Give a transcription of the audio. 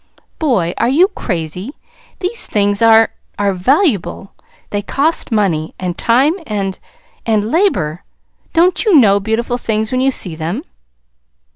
"Boy, are you crazy? These things are are valuable. They cost money, and time and and labor. Don't you know beautiful things when you see them?"